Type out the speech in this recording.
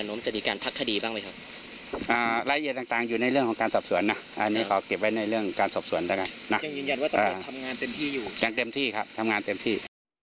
ยังเต็มที่ครับทำงานเต็มที่